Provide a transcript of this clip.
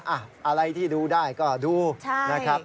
อะไรที่ดูได้ก็ดูนะครับ